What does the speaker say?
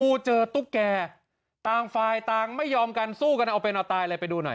เจอตุ๊กแก่ต่างฝ่ายต่างไม่ยอมกันสู้กันเอาเป็นเอาตายเลยไปดูหน่อย